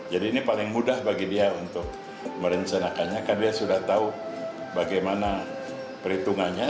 jadi ini paling mudah bagi dia untuk merencanakannya karena dia sudah tahu bagaimana perhitungannya